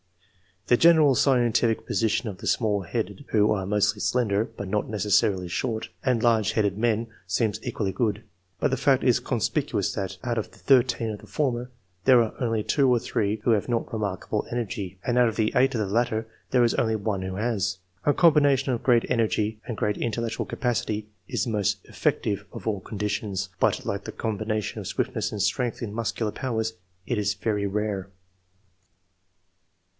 The general scientific position of the small headed (who are mostly slender, but not necessarily short) and large headed men seems equally good; but the fact is conspicuous that, out of the thirteen of the former, there are only two or three who have not remarkable energy ; and out of the eight of the latter there is only one who has. A combination of great energy and great intellectual capacity is the most efiective of all conditions; but, like the com bination of swiftness and strength in muscular powers, it is very rare.